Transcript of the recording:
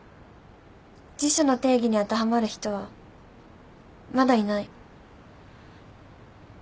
辞書の定義に当てはまる人はまだいない